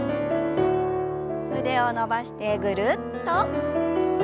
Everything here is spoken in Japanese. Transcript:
腕を伸ばしてぐるっと。